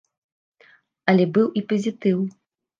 Але быў і пазітыў.